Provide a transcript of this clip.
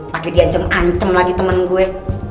pakai diancam ancem lagi temen gue